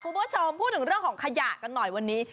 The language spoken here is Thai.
คุณผู้ชมพูดถึงเรื่องของขยะกันหน่อยวันนี้